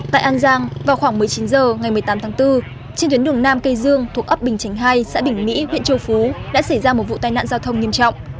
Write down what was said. tại an giang vào khoảng một mươi chín h ngày một mươi tám tháng bốn trên tuyến đường nam cây dương thuộc ấp bình chánh hai xã bình mỹ huyện châu phú đã xảy ra một vụ tai nạn giao thông nghiêm trọng